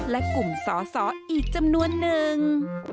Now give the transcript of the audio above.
และกลุ่มสอสออีกจำนวนนึง